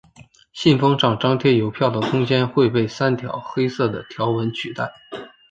信封上张贴邮票的空间会被三条黑色的条纹取代。